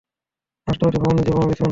রাষ্ট্রপতি ভবনে যে বোমা বিস্ফোরণে হয়েছে।